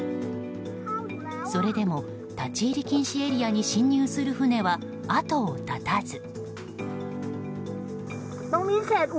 それでも立ち入り禁止エリアに侵入する船は後を絶たず。